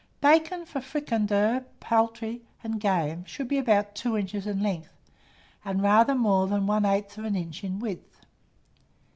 Bacon for fricandeau, poultry, and game, should be about 2 inches in length, and rather more than one eighth of an inch in width.